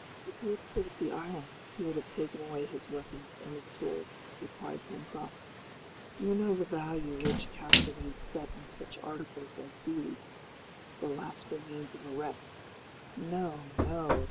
"If he had quitted the island he would have taken away his weapons and his tools," replied Pencroft. "You know the value which castaways set on such articles as these the last remains of a wreck. No! no!"